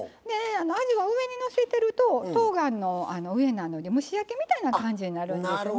あじは上にのせてるととうがんの上なので蒸し焼きみたいな感じになるんですよね。